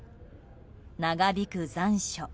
長引く残暑。